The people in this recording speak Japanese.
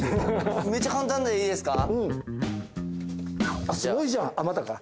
めっちゃ簡単でいいですか？